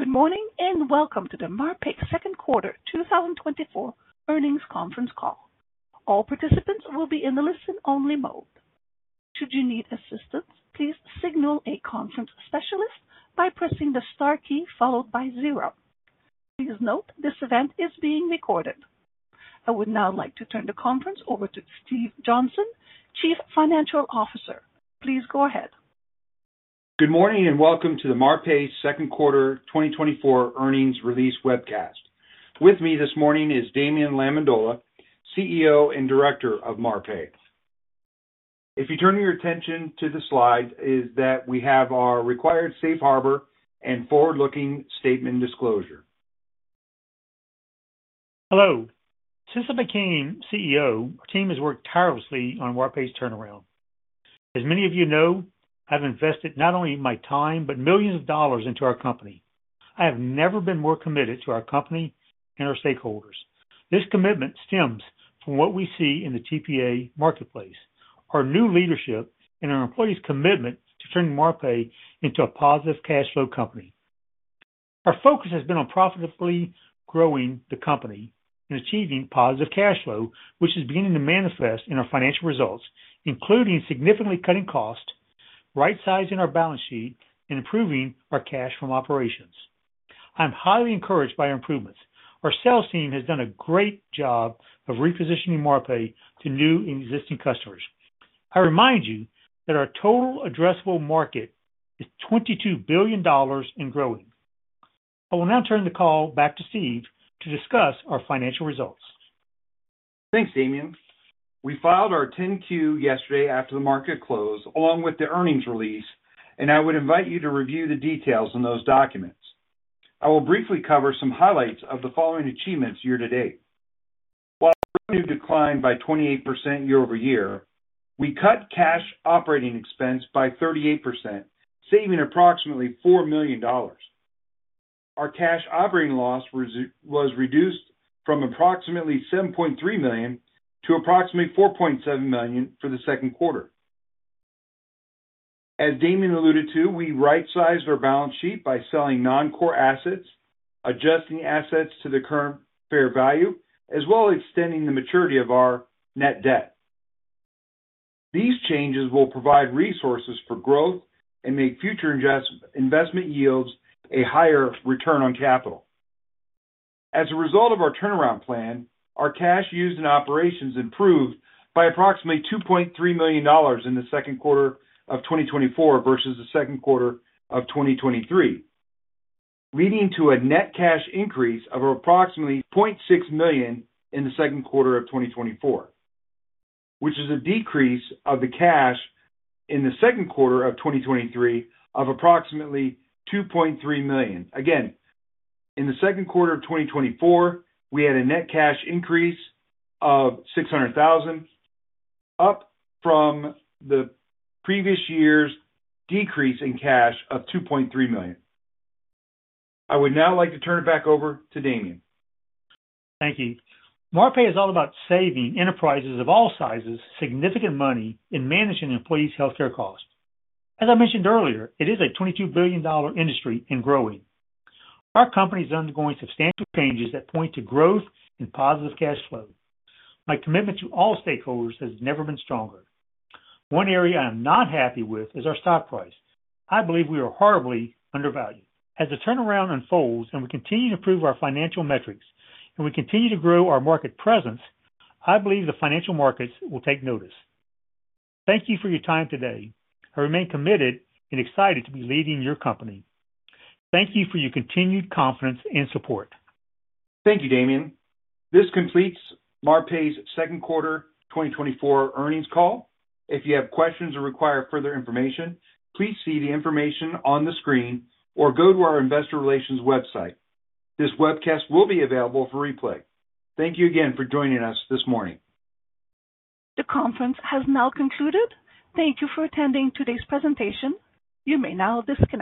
Good morning and welcome to the Marpai Second Quarter 2024 Earnings Conference Call. All participants will be in the listen-only mode. Should you need assistance, please signal a conference specialist by pressing the star key followed by zero. Please note this event is being recorded. I would now like to turn the conference over to Steve Johnson, Chief Financial Officer. Please go ahead. Good morning and welcome to the Marpai Second Quarter 2024 Earnings Release Webcast. With me this morning is Damien Lamendola, CEO and Director of Marpai. If you turn your attention to the slide, is that we have our required safe harbor and forward-looking statement disclosure. Hello. Since I became CEO, our team has worked tirelessly on Marpai's turnaround. As many of you know, I've invested not only my time but millions of dollars into our company. I have never been more committed to our company and our stakeholders. This commitment stems from what we see in the TPA marketplace, our new leadership, and our employees' commitment to turning Marpai into a positive cash flow company. Our focus has been on profitably growing the company and achieving positive cash flow, which is beginning to manifest in our financial results, including significantly cutting costs, right-sizing our balance sheet, and improving our cash flow operations. I'm highly encouraged by our improvements. Our sales team has done a great job of repositioning Marpai to new and existing customers. I remind you that our total addressable market is $22 billion and growing. I will now turn the call back to Steve to discuss our financial results. Thanks, Damien. We filed our 10-Q yesterday after the market close, along with the earnings release, and I would invite you to review the details in those documents. I will briefly cover some highlights of the following achievements year-to-date. While revenue declined by 28% year-over-year, we cut cash operating expense by 38%, saving approximately $4 million. Our cash operating loss was reduced from approximately $7.3 million to approximately $4.7 million for the second quarter. As Damien alluded to, we right-sized our balance sheet by selling non-core assets, adjusting assets to their current fair value, as well as extending the maturity of our net debt. These changes will provide resources for growth and make future investment yields a higher return on capital. As a result of our turnaround plan, our cash used in operations improved by approximately $2.3 million in the second quarter of 2024 vs the second quarter of 2023, leading to a net cash increase of approximately $0.6 million in the second quarter of 2024, which is a decrease of the cash in the second quarter of 2023 of approximately $2.3 million. Again, in the second quarter of 2024, we had a net cash increase of $600,000, up from the previous year's decrease in cash of $2.3 million. I would now like to turn it back over to Damien. Thank you. Marpai is all about saving enterprises of all sizes significant money in managing employees' healthcare costs. As I mentioned earlier, it is a $22 billion industry and growing. Our company is undergoing substantial changes that point to growth and positive cash flow. My commitment to all stakeholders has never been stronger. One area I am not happy with is our stock price. I believe we are horribly undervalued. As the turnaround unfolds and we continue to prove our financial metrics and we continue to grow our market presence, I believe the financial markets will take notice. Thank you for your time today. I remain committed and excited to be leading your company. Thank you for your continued confidence and support. Thank you, Damien. This completes Marpai's Second Quarter 2024 Earnings Call. If you have questions or require further information, please see the information on the screen or go to our investor relations website. This webcast will be available for replay. Thank you again for joining us this morning. The conference has now concluded. Thank you for attending today's presentation. You may now disconnect.